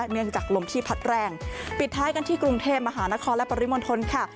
เนื่องจากลมที่พัดแรงปิดท้ายกันที่กรุงเทพมหานครและปริมณฑลค่ะ